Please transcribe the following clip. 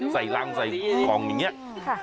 ใส่รังใส่กล่องอย่างนี้